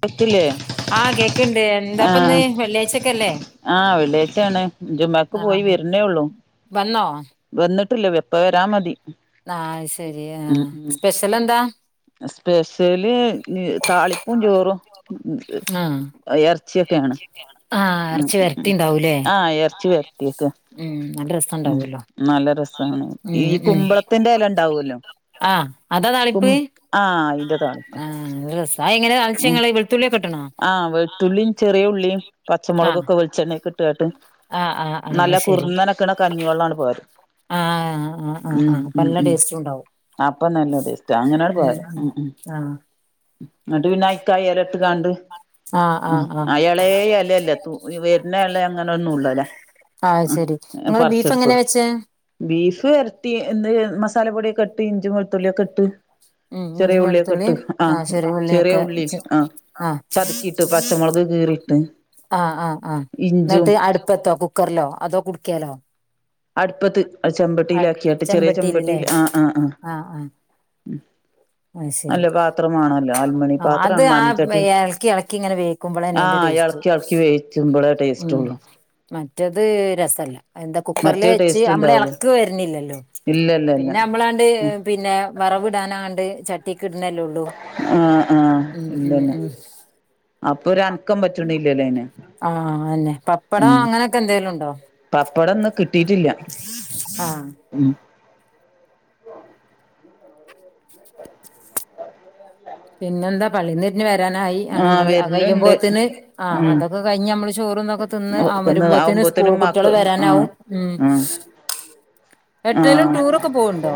പറ്റില്ലേ? ആഹ് കേക്ക്ണ്ട് എന്താപ്പന്ന് ആഹ് വെള്ളിയാഴ്ച്ച ക്കെ അല്ലേ ആഹ് വെള്ളിയാഴ്ച്ചാണ് ജുമാക്ക് പോയി വര്ണെ ഒള്ളൂ വന്നോ? വന്ന്ട്ടില്ല വെപ്പ വെരാമതി ആഹ് ശെരി ആഹ് സ്പെഷ്യല് എന്താ? സ്പെഷ്യല് താളിപ്പും ചോറും. ആ എറച്ചിയൊക്കെയാണ് ആ എറച്ചി വരട്ടിണ്ടാവൂലേ ആഹ് എറച്ചി വരട്ടിയെക്കാ ഉം നല്ല ഉം രസണ്ടാവല്ലോ നല്ല രസാണ് ഈ ഉം ഉം കുമ്പള് ത്തിന്റെല് ണ്ടാവൂലൊ ആ അതാ കും ആഹ് അയിന്റെ താളിപ്പാ. ഹ നല്ല രസാ എങ്ങനെ ഉം താളിച്ചയ്ങ്ങള് വെളത്തുള്ളിയൊക്കെ ഇട്ട്ണ്ണോ? ആഹ് വെള്ത്തുള്ളീം ചെറിയ ഉള്ളീം ആ പച്ചമുളകൊക്കെ വെളിച്ചെണ്ണക്ക്‌ ട്ട് കാട്ട് ആ ആ ആ അത് നല്ല കുറ്ന്നനെക്ക്‌ണ കഞ്ഞിവെള്ളം അങ്ങട് പാരും ആഹ് ആ ആ ആ പ്പല്ല ടേസ്റ്റുണ്ടാവു. അപ്പ നല്ല ടേസ്റ്റാ അങ്ങനെങ്ങട് പാരും ഉം ഉം ആ എന്നിട്ട് പിന്നെ അയിക്ക്‌ ആ എല ഇട്ട് കാണ്ട് ആ ആ ഉം ആ അയാളെ അലല്ല തു വെര്ണ എല അങ്ങനെ നുള്ളലാ ആഹ് ഉം ശെരി ഇങ്ങള് ബീഫ് എങ്ങനാ പറിച്ചെടുക്കും വെച്ചേ? ബീഫ് വെരട്ടി എന്ത് മസാല പൊടിയൊക്കെ ഇട്ട് ഇഞ്ചി വെള്ത്തുള്ളിയൊക്കെ ഇട്ട് ഉം ഇഞ്ചി ചെറിയ ഉള്ളിയൊക്കെ ഇട്ട് വെള്ത്തുള്ളീം ആ ആഹ് ചെറിയ ഉള്ളിഒക്കെ ഉള്ളി ആഹ് ആ ചതക്കിയിട്ട് പച്ചമുളക് കീറിയിട്ട് ആഹ് ആഹ് ആഹ് ഇഞ്ചും എന്നിട്ട് അടുപ്പതോ കു കുക്കറിലോ അതോ കുടുക്കെലൊ? അടുപ്പത്ത് ചെമ്പട്ടിയിലാക്കിയാട്ട് ചെറിയ ചെമ്പട്ടിയിലല്ലേ ചെമ്പട്ടിയിൽ ആഹ് ആഹ് ആഹ് ആയ് ശരി നല്ല പാത്രമാണല്ലോ അൽമണി ആ അത് പാത്രാണ് ആ മൺചട്ടി എളക്കി എളക്കി ഇങ്ങനെ വേ ക്കുമ്പോളന്നെ അയിന്റെ ആഹ് ടേസ്റ്റ് എളക്കി എളക്കി വേവിച്ചുമ്പളേ ഉം ടേസ്റ്റൊള്ളു മറ്റത് രസല്ല എന്താ കുക്കറിൽ മറ്റേ വെച്ച് ടേസ്റ്റ് അമ്മള് ഉണ്ടാവൂല എളക്ക് വരുന്നില്ലല്ലോ ഇല്ല ഇല്ല ഇല്ല പിന്നെ നമ്മളാണ്ട് പിന്നെ വറവ് ഇടാനാണ്ട് ചട്ടിക്ക് ഇട്ണല്ലേ ഒള്ളൂ ആഹ് ആഹ് ഇല്ലന്നെ ഉം അപ്പ ഒര് അനക്കം പറ്റ്ണില്ലല്ലേ അയ്ന് ആഹ് അങ്ങനന്നെ പപ്പടം അങ്ങനെക്കെ എന്തെക്കെലും ഉണ്ടോ? പപ്പടം ന്ന് കിട്ടിട്ടില്ല ആഹ് ഉം പിന്നെന്താ പള്ളീന്ന് തിരിഞ്ഞ് വരാനായി ആഹ് ആണ്ങ്ങള് അയ് വരുന്നുണ്ട് കയുമ്പോത്തിന് ആ ഉം അതൊക്കെ കഴിഞ് നമ്മള് ചോറൂന്നൊക്കെ തിന്ന് ഒന്ന് അമരുമ്പോത്തിന് സ്കൂൾ ആവുമ്പോത്തനും കുട്ടികൾ മക്ക ആഹ് വരാനാവും ഉം ആഹ് എട്ടേലും ടൂറൊക്കെ പോവുണ്ടോ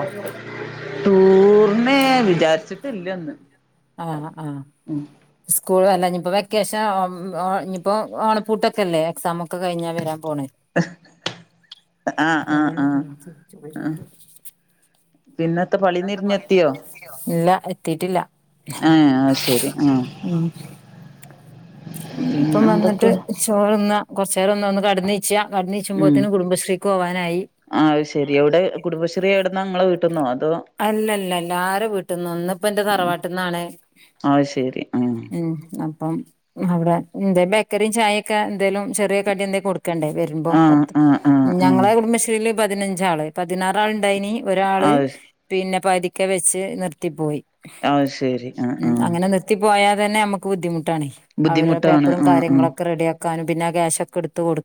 ടൂറിനെ വിചാരിച്ചിട്ടില്ല ഇന്ന് ആഹ് ആഹ് സ്കൂൾ അല്ല ഇനിയിപ്പോ വെക്കേഷൻ ഉം ഇനിയിപ്പോ ഓണപ്പൂട്ടൊക്കെല്ലേ എക്സാമൊക്കെ കഴിഞ്ഞാൽ വരാൻ പോണെ ആഹ് ആഹ് ആഹ് ആഹ് [unintelligible] പിന്നത്തെ പ [unintelligible] ഇല്ല എത്തിട്ടില്ല ആ ആയ് ശെരി ആഹ് ഇപ്പം വന്നിട്ട് പിന്നെന്തൊക്കെ ചോറിന്ന കൊറച്ചേരം ഒന്ന് ഒന്ന് കടന്ന് [unintelligible] കാന്ചുംബത്തിന് കുടുംബശ്രീക്ക് പോകാനായി ആ അയ് ശെരി എവിടെ കുടുംബശ്രീ എവിടുന്നാ ഇങ്ങളെ വീട്ട്ന്നോ അതോ അല്ലല്ല എല്ലാരും വീട്ടിന്ന് ഇന്നിപ്പം എന്റെ തറവാട്ടിന്നാണ് അത് ശരി ആഹ് ഉം ആഹ് അപ്പം അവിടെ എന്തേ ബേക്കറി ചായൊക്കെ എന്തേലും ചെറിയ കടി എന്തെ കൊടു ക്കണ്ടേ വരുമ്പോ ആഹ് പത്ത് ആഹ് ആഹ് ആഹ് ഞങ്ങളെ കുടുംബശ്രീയില് പതിനഞ്ചാള് പതിനാറാൾ ഉണ്ടായിന് ഒരാള് അത് പിന്നെ പകുതിക്കെ വെച്ച് നിർത്തിപ്പോയി ആഹ് ശരി ആഹ് ആഹ് ത്തി പോയാൽ തന്നെ അമുക്ക് ബുദ്ധിമുട്ടാണ് അവര് ബുദ്ധിമുട്ടാണ് പേപ്പറും ആഹ് ആഹ് കാര്യങ്ങളൊക്കെ റെഡിയാക്കും ക്കാനും പിന്നാ കാശൊക്കെ എടുത്ത് കൊടു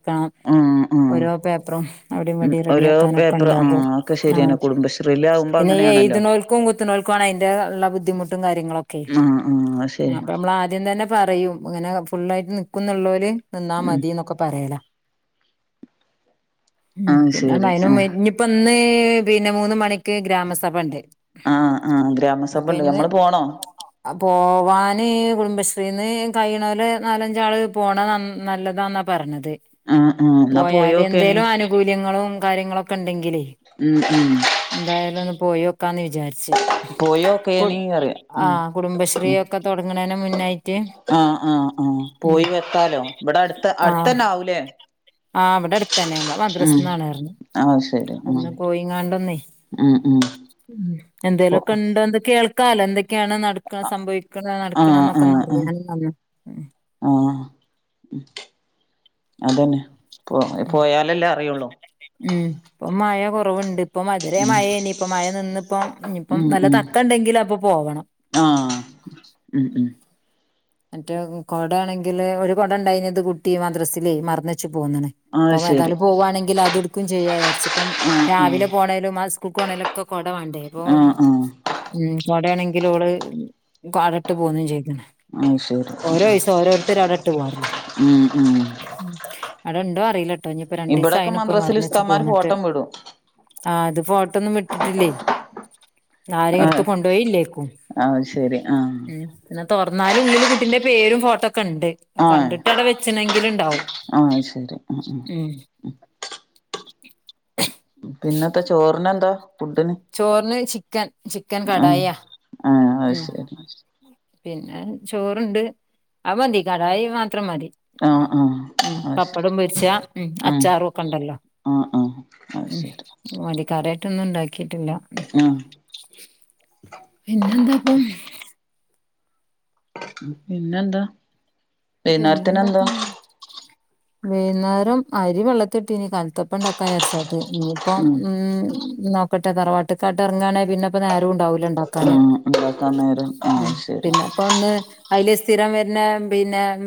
ആഹ് ആഹ് ഉം ഓരോ പേപ്പറും അവിടെയും ഇവിടെയും ഓരോ റെഡിയാക്കാ നൊക്കെ പേപ്പർ ഉണ്ടാകും ആഹ് ഒക്കെ ശരിയാണ് ആഹ് [unintelligible] പിന്നെ ഈഎഴുതിനോൽക്കും കുത്തിനോൽക്കും ആണ് അതിന്റെ ഉള്ള ബുദ്ധിമുട്ടും കാര്യങ്ങളൊ ക്കെ ആഹ് ആഹ് അത് ശരി അപ്പൊ നമ്മൾ ആദ്യം തന്നെ പറയും ഇങ്ങനെ ഫുുള്ളായിട്ട് നിക്കുന്നൊള്ളല് നിന്നാ ഉം മതീന്നൊക്കെ പറയല ഉം ആഹ് പിന്നെ ഒന്ന് ശരി ആഹ് ഐനുംവേണ്ടി ഇഞ്ഞ്പ്പൊന്ന് പിന്നെ മൂന്ന് മണിക് ഇക്ക്‌ ഗ്രാമസഭണ്ട് ആഹ് ആഹ് അപ്പൊ ഗ്രാമസഭണ്ട് ഇന്ന് ഞമ്മള് പോണോ അപോവാന് കുടുംബശ്രീന്ന് കയ്യ്ണോല് നാലഞ്ചാള് പോണത് നൻനല്ലതാന്നാ പർണത് ആഹ് പോയാല് എന്തേലും ആനുകൂല്യങ്ങളും കാര്യങ്ങളൊക്കെ ഇണ്ടെങ്കിലേ ഉം ഉം എന്തായാലും ഒന്ന് പോയ്യോക്കാന്ന് വിജാര്ച്ച് ഖ്ഹ് പോയോക്കേനി കുട് പറയാ ഉം ആഹ് ഉം കുടുംബശ്രീയൊക്കെ തൊടങ്ങ്ണൈന് മുന്നായിട്ട് ആഹ് ആഹ് ആഹ് ഉം പോയി വെക്കാലോ ഇബടെ അട്ത്ത് ആഹ് അട്ത്തെന്നാവൂലേ ആഹ് ഇവടെട്ത്തെന്നേ ഇമ്മളെ മദ്രസ്ന്നാണ്ർഞ്ഞു അത് ശരി ഉം ഒന്ന് പോയിങ്ങാണ്ടൊന്നൈ ഉം ഉം ഉം പോ എന്തേലൊക്കെ ഇണ്ടോ എന്തെ കേൾ ക്കാലം എന്തെക്കെയാണ് നടക്ക്ണ സംഭവിക്ക്ണ നടക്ക്ണ ആഹ് എന്നൊക്കെ ഒന്ന് ആഹ് ആഹ് അറിയാനും നന്ന് ഉം ആഹ് ഉം അതെന്നെ കൊ കോയാലെല്ലേ അറിയുള്ളൂ ഉം ഇപ്പൊ മയ കൊറവ്ണ്ട് ഇപ്പം ഇതുരെ മഴേനി ഇപ്പ മഴ നിന്ന ഇപ്പം ഇഞ്ഞിപ്പം ഉം നല്ല ഉം തക്ക ഉണ്ടെങ്കിൽ അപ്പൊ പോകണം ആഹ് ഉം ഉം മറ്റേ കൊടേണെങ്കില് ഒര്കൊട ഇണ്ടായിന്നത് കുട്ടി മദ്രസിലൈ മറന്ന് വെച്ച് പോന്ന്ണ് അത് ശരി പവ്വതാലും പോവാണെങ്കില് അത് ഇട്ക്കും ചെയ്യാവിചാരിച്ച് ഇപ്പം ആഹ് ആഹ് രാവിലെ പോണേലും ആഹ് സ്കൂക്ക് ഓണേലും കൊ കൊടവാണ്ടേ ഇപ്പോം ആഹ് ആഹ് ഉം കൊടേണെങ്കില് ഓള് കാടട്ട് പോന്നും ചൈതിന് അത് ശരി ഓരോയീസം ഓരോര്ത്തര് അവെടെട്ട് പോരലാ ഉം ഉം ഉം അവടെണ്ടോ അറിയില്ലട്ടോ ഇഞ്ഞ്പ്പൊ രണ്ടീസം ഇവിടൊക്കെ ആയണ്ണ് ഇപ്പൊ മദ്രസിൽ മറന്ന് വെച്ച് ഉസ്താദ്മാര് പോന്ട്ട് ഫോട്ടം വിടും ആഹ് അത് ഫോട്ടൊന്നും വിട്ട്ട്ടില്ലേ ആരെയും ആഹ് എടുത്ത് കൊണ്ടോയില്ലേക്കും അത് ശരി ആഹ് ഉം പിന്നെ തുറന്നാലും ഉള്ളില് കുട്ടിന്റെ പേരും ഫോട്ടോ ഒക്കെ ഉണ്ട് കണ്ടിട്ട് അവിടെ വെച്ചണെങ്കിൽ ഇണ്ടാവും ആയ് ശരി ഉം ഉം പിന്നത്തെ ചോറിന് എന്താ ചോറിന് ചിക്കൻ ചിക്കൻ ആഹ് കടായി ആ ആഹ് അത് ഉം ശരി പിന്നെ ചോർണ്ട് അത് മതി കടായി മാത്രം മതി. ആഹ് ആഹ് ഉ അത് ശരി പപ്പടം പൊരിച്ച ഉം ആഹ് അച്ചാറും ഒക്കെ ഇണ്ടല്ലോ ആഹ് ആഹ് അത് ശരി ഉ വല്യ കറിയായിട്ടൊന്നും ഉണ്ടാക്കിട്ടില്ല ആഹ് പിന്നെ എന്താപ്പം പിന്നെ എന്താ പിന്നെ എന്തോക്കാ വൈന്നേരം അരി വെള്ളത്തി ഇട്ടിനി കൽത്തപ്പം ഇണ്ടാക്കാരാച്ച് ഇപ്പം ഉം നോക്കട്ടെ തറവാട്ടക്കാട്ട് ഇറങ്ങാണെ പിന്നെപ്പം നേരവും ഉണ്ടാവുലാ ആഹ് ഉണ്ടാക്കൻ നേരം ആ അയ് ശരി അപ്പൊ ഒന്ന് അതില് സ്ഥിരം വരുന്ന പിന്നെ ഉം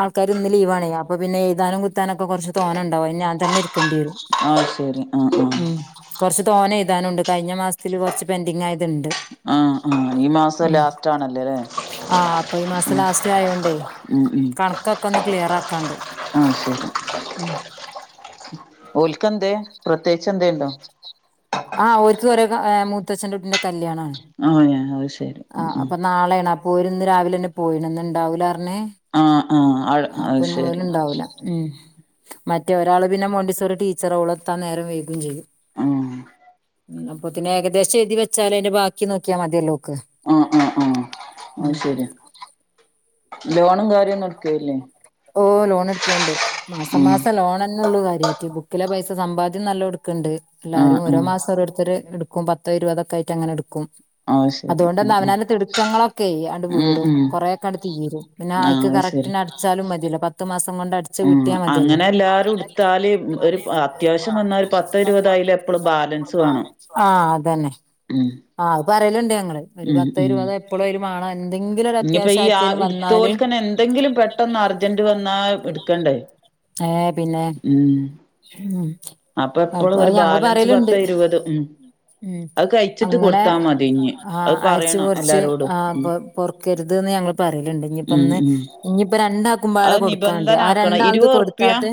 ആൾക്കാര് ഇന്ന് ലീവവാണെ അപ്പം പിന്നെ എഴുാതാനും കുത്താനൊക്കെ കുറച്ച് തോനെ ഇണ്ടാവും ഞാൻ തന്നെ എടുക്കണ്ടി വരും ആഹ് ശരി ആഹ് ആഹ് ഉം കൊറച്ച് തോന്നെ എഴുതാനുണ്ട് കഴിഞ്ഞ മാസത്തിൽ കുറച്ച് പെൻഡിങ് ആയത്ണ്ട് ആഹ് ആഹ് ഈ മാസം ഉം ലാസ്റ്റ് ആണല്ലേ ല്ലേ ആ അപ്പൊ ഈ മാസം ലാസ്റ്റ് ആയോണ്ടേയ് ഉം ഉം കണക്കൊക്കെ ഒന്ന് ക്ലിയർ ആക്കാണ്ട് ഉം ഓല്ക്ക്‌ എന്തേ പ്രത്യേകിച്ച് എന്തെ ണ്ടോ ആഹ് ഒർക്ക് ഒര് ഏ മൂത്തച്ഛന്റെറ കുട്ടിന്റെ കല്യാണാണ് ആഹ് [unintelligible] ആഹ് ഉം അപ്പൊ നാളേണ് അപ്പൊ ഓര് ഇന്ന് രാവിലെ തന്നെ പോയിണ് ഇന്ന് ഇണ്ടാവൂലർഞ്ഞ് ആഹ് ആഹ് അഹ് അപ്പൊ അത് ഇന്ന് ഓൽ ശരി ഇണ്ടാവൂല ഉം മറ്റേ ഒരാള് പിന്നെ മോണ്ടിസോറി ടീച്ചറാ ഓള് എത്താൻ നേരം വെയ്കും ചെയ്യും ആഹ് അപ്പോത്തിന് ഏകദേശം എഴുതി വച്ചാൽ അതിന്റെ ബാക്കി നോക്കിയാ മതിയല്ലോ ഓക്ക് ആഹ് ആഹ് ആഹ് ഉം അയ്ശരി ലോണും കാര്യം എടുക്കല്ലേ ഓഹ് ലോൺ എടുക്കല്ണ്ട് മാസം ഉം മാസം ലോൺ തന്നെ ഉള്ള കാര്യയിറ്റ് ക്കിലെ പൈസ സമ്പാദ്യം നല്ലോം ഇടുക്ക്‌ണ്ട് ആഹ് എല്ലാരും ഓരോ ആഹ് മാസം ഓരോരുത്തര് എടുക്കും പ പത്തോ ഇരുപതൊക്കെ ആയിട്ട്ങ്ങനെ എടുക്കും അത് ശരി അതുകൊണ്ട ഉം തന്നെ ഉം അവനാന്റെ തിടുക്കങ്ങളൊക്കെ ആണ്ട് ഉം വീടും ഉം കൊറെക്കെ അണ്ട് തീരും പിന്നെ ഐക്ക് ആഹ് അത് കറക്റ്റിന് അടിച്ചാലും മതിയല്ലോ പത്ത് മാസം കൊണ്ട്ട ഉ അങ്ങനെ എല്ലാരും എടുത്താല് ഒരു അത്യാവശ്യം വന്നാ ഒരു പത്തോ ഇരുപതോ ആയിലേ [unintelligible] ആഹ് അതെന്നെ ഉം ആഹ് അത് പറയലുണ്ട് ഞങ്ങള് ഒരു പത്ത ഇരുപതോ എപ്പളും അയില് മാണം എന്തെങ്കിലും ഒരു ഇനിപ്പൊ അത്യാവശ്യം ഈ ആ ആർക്കേലും വന്നാല് ഇടുത്തോൽക്കന്നെ എന്തെങ്കിലും പെട്ടന്ന് അർജന്റ് വന്നാ ഇടുക്കണ്ടേ ഏഹ് പിന്നെ ഉം ഉം അപ്പൊ എപ്പളും ഒരു അത് ഞങ്ങള് ബാലൻസ് പറയലുണ്ട് പത്ത് ഇരുപത് ഉ ഉം അങ്ങനെ ആ അത് അരിച്ചു പറയണം കുര്ച്ച് എല്ലാരോടും ഉം ര്ത് ഞങ്ങൾ പറയലുണ്ട് ഇനിയിപ്പൊ ഉം ഇന്ന് ഉം ഇനിയിപ്പോ രണ്ടാക്കുപാടെ അത് കൊടുക്കാണ്ട് നിബന്ധന ആ ആക്കണം രണ്ടാളത് ഇരുപത് കൊടു ഉറുപ്യ താട്ടെ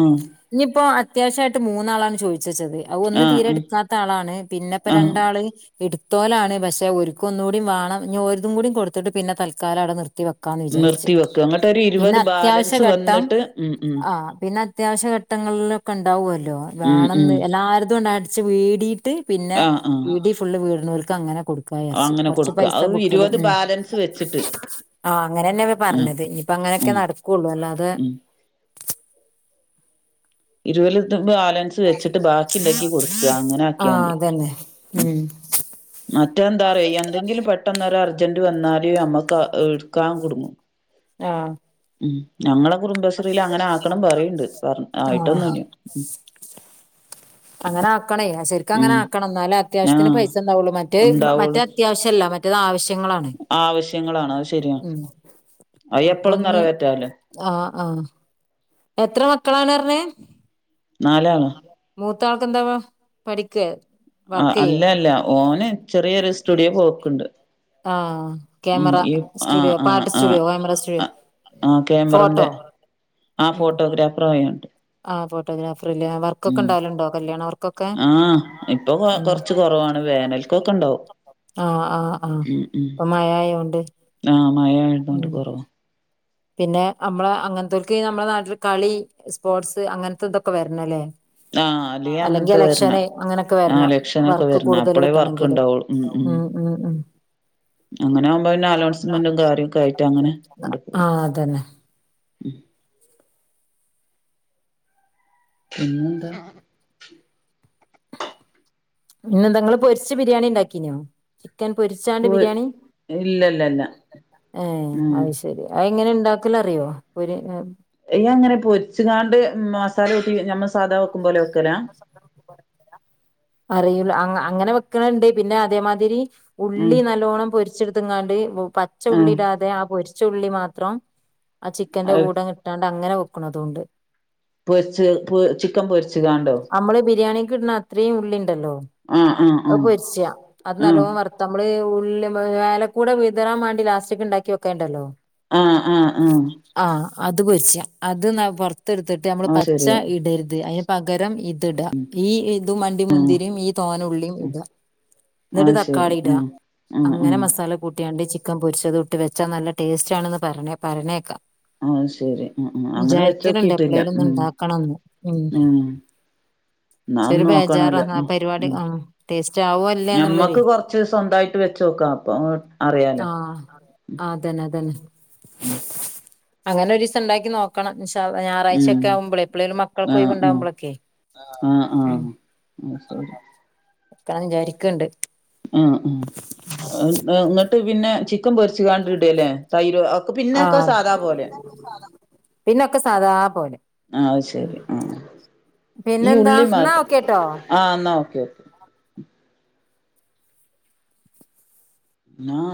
ആഹ് ഇഞ് പ്പോ അത്യാശ്യമായിട്ട് മൂന്നാളാണ് ചോദിച്ച് വെച്ചത് അയ് ഒന്ന് ആഹ് തീരെ ആഹ് എടുക്കാത്ത ആളാണ് പിന്നെ ഇപ്പോ ആഹ് രണ്ടാ രണ്ടാള് ഇട്ത്തോലാണ് പക്ഷെ ഓല്ക്ക് ഒന്നൂടി കൂടി വാണം ഇഞ്ജ് ഒൽതും കൂടി കൊടുത്തിട്ട് പിന്നെ തൽക്കാലം അവിടെ നിർത്തി വെക്കും ന്ന വിചാരിച്ച നിർത്തി വെക്ക അങ്ങട്ട് ഒരു പിന്നെ ഇരുപത് ബാലൻസ് അത്യാവശ്യഘട്ടം വന്നിട്ട് ഉം ഉം ആ പിന്നെ. അത്യാവശ്യ ഘട്ടങ്ങളിലൊക്കെ ണ്ടാവുമല്ലോ ഉം ഉം വേണെന്ന് എല്ലാവരതും കൊണ്ട് അടിച്ച് വീടിയിട്ട്. പിന്നെ ആഹ് ആഹ് വീടി ഫുള് വീട്നോൽക്ക് അങ്ങനെ [unintelligible] അങ്ങനെ കൊറച്ച് കൊടുക്ക പൈസ അത് ബുക്കിലും ഇരുപത് ഉം ബാലൻസ് വെച്ചിട്ട് ആ അങ്ങനെന്നെ ഇപ്പ ആഹ് പറഞ്ഞത് ഇനിയിപ്പ അങ്ങനെയൊക്കെ ഉം നടക്കുവുള്ളൂ അല്ലാതെ. ഉം [unintelligible] ബാലൻസ് വെച്ചിട്ട് ബാക്കി ഇണ്ടങ്കി കൊടുക്ക അങ്ങനെ ആക്കിയാ ആഹ് മതി അതന്നെ ഉ ഉം മറ്റെന്താ അറിയോ എന്തെങ്കിലും പെട്ടെന്നൊരു അർജന്റ് വന്നാല് നമ്മക്ക് എടുക്കാൻ കുടുങ്ങും. ആ ഉം ഞങ്ങളെ കുടുംബശ്രീൽ അങ്ങനെ ആക്കണം പറയ്ണ്ട് പറ ആയിട്ടൊന്നും ആഹ് ഇല്ല. അങ്ങനെ ആക്കണേ അത്ശരി. അങ്ങനെ ഉം ആക്കണം എന്നാലും അത്യാവശ്യത്തിന് ആഹ് പൈസ ഇണ്ടാവൊള്ളു മറ്റേ ഉണ്ടാവുള്ളു മറ്റേത് അത്യാവശ്യമല്ല മറ്റേത് ആവശ്യങ്ങളാണ്. ആവശ്യങ്ങളാണ് അത് ശരിയാ ഉം അത് എപ്പഴും നിറവേറ്റാ ലോ? ആ ആ എത്ര മക്കളാണ റഞ്ഞ്? നാല് ആള്. മൂത്താൾക്ക് എന്താവാ പഠിക്ക? ആ അല്ല അല്ല ഓന് ചെറിയൊരു സ്റ്റുഡിയോ പോക്ക്ണ്ട്. ആ ക്യാമറാ സ്റ്റുഡിയോ പാട്ട് ആ സ്റ്റുഡിയോ [unintelligible] സ്റ്റുഡിയോ. ആ ആ ഫോട്ടോ ക്യാമറെന്റെ ആ ഫോട്ടോഗ്രാഫർ ആയാണ്ട്. ആ ഫോട്ടോഗ്രാഫറ്ലെ വർക്കൊക്കെ ഇണ്ടാവല്ണ്ടോ കല്യാണ വർക്കൊക്കെ? ആ ഇപ്പൊ കൊ ഉം കൊറച്ച് കൊറവാണ് വേനൽക്കൊക്കെ ഇണ്ടാവും. ആഹ് ആഹ് ആഹ് ഉ ഉ ഇപ്പൊ മഴായോണ്ട് ആ മഴ ആയതോണ്ട് ഉം കൊറവാ. പിന്നെ നമ്മള അങ്ങനത്തക്ക് നമ്മുടെ നാട്ടില് കളി സ്പോർട്സ് അങ്ങനത്തെ ഇതൊക്കെ വരണല്ലേ. ആ അല്ലെങ്കി അങ്ങനത്തെ വരണ ഇലക്ഷന് അങ്ങനൊക്കെ ആ വരണം ഇലക്ഷനൊക്കെ വർക്ക് വരണ കൂടുതൽ അപ്പളേ വർക്ക് കിട്ടണെങ്കില്. ഉണ്ടാവുള്ളൂ ഉം ഉം ഉം അങ്ങനെയാകുമ്പോ എല്ലാം അലോൺമെന്റും കാര്യൊക്കെ ആയിട്ട് അങ്ങനെ നടക്കും ആ അതന്നെ. ഉം പിന്നെന്താ? പിന്നെ ന്താ ഇങ്ങൾ പൊരിച്ച ബിരിയാണി ഇണ്ടാക്കീനോ? ചിക്കൻ പൊരിച്ചാണ്ട് പോ ബിരിയാണി ഇല്ല ഇല്ല ഇല്ല ഏ ഉം അയ്ശെ ശരി അ എങ്ങനെ ഇണ്ടാക്കല് അറിയോ ഒര് യ്യ അങ്ങനെ പൊരിച്ച്കാണ്ട് മസാല കൂട്ടി നമ്മൾ സാധാ വെക്കും പോലെ വെക്കല. അറിയുല അങ്ങനെ വെക്ക്ണണ്ട് പിന്നെ അതേമാതിരി. ഉം ഉള്ളി നല്ലോണ്ണം പൊരിച്ചെടുത്ത്ങ്ങാണ്ട് പച്ച ആഹ് ഉള്ളി ഇടാതെ ആ പൊരിച്ച ഉള്ളി മാത്രം. ആ ചിക്കൻന്റെ അത് കൂട ങ്ങിട്ടാണ്ട് അങ്ങനെ വെക്ക്ണതുണ്ട്. പൊരിച്ച് [unintelligible] പൊരിച്ച്ങ്ങാണ്ടോ നമ്മള് ബിരിയാണിക്ക് ഇടുന്ന അത്രയും ഉള്ളി ഇണ്ടല്ലോ? ആഹ് ആഹ് അത് പൊരിച്ച്യ അത് ആഹ് നല്ലോം വർത്ത തമ്മള് ഉള്ളി മേലെ കൂടെ വിതറാൻ മാണ്ടി ലാസ്റ്റ്ക് ണ്ടാക്കി വെക്കേണ്ടല്ലോ ആഹ് ആഹ് ആ ആ അത് പൊരിച്ചാ അത് ന്നാ പൊർത്ത് എടുത്തിട്ട് നമ്മള് അത് പച്ച ശരി ഇടര്ത് അയിന് പകരം ട ഈ ഇത് ആഹ് ഉം അണ്ടിമുന്തിരി ഈ തോനുള്ളിയും ഇട എന്നിട്ട് അത് ശരി തക്കാളി ഇടാ ആഹ് ആഹ് അങ്ങനെ ആഹ് മസാല കൂട്ടിയാണ്ട് ചി ചിക്കൻ പൊരിച്ചത് ഇട്ട് വെച്ചാ നല്ല ടേസ്റ്റ് ആണന്ന് പറഞ്ഞ പറഞ്ഞേക്കാം. ആ ശെരി അങ്ങനെ വിചാരിക്കലുണ്ട് വെച്ചോക്കിട്ടില്ല എപ്പളേലും ഒന്ന് ഉം ഉണ്ടാക്കണംന്ന് ഉം ന്നാ പക്ഷെ ഒന്ന് ഒരു ബേജാറാ നോക്കണല്ലേ ആ ഉ പരിപാടി ഉ ആഹ് ടേസ്റ്റ് ആവോ അല്ലേ എന്നുള്ളൊരു ഞമ്മക്ക് കൊറച്ച് സ്വന്തമായിട്ട് വെച്ചോക്കാം. അപ്പ അറിയാലോ? ആ ആ ആ തന്നെ തന്നെ ഉം അങ്ങനെ ഒരീസം ണ്ടാക്കി നോക്കണം ഇൻഷാ അള്ളാ ഞായറാഴ്ച്ച ക്കെ ആവുമ്പ ളെ എപ്പളേലും മക്കൾക്ക് ഒഴിവ്ണ്ടാവുമ്പ ളെ ആഹ ആഹ ആ ശരി നിക്ക ണ്ണം വിചാരിക്ക്ണ്ട് ആ ആ ഇങ്ങട്ട് പിന്നെ ചിക്കം പൊരിച്ച് കാണ്ട് ഇട ലേ തൈര് ഒക്കെ പിന്നെയൊക്കെ ആഹ് സാധാ പോലെ [unintelligible] പിന്നൊക്കെ സാധാ പോലെ ആഹ് അത് ഉം ശരി ആഹ് ഈ പിന്നെന്താ ഉള്ളി ന്നാ മാത്രം ഓക്കേ ട്ടോ ആഹ് ന്നാ ഓക്കെ ഓക്കെ ഞാൻ